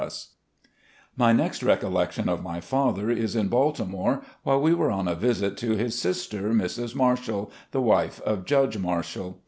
SERVICES IN THE ARMY 5 My next recollection of my father is in Baltimore, while we were on a visit to his sister, Mrs. Marshall, the wife of Judge Marshall.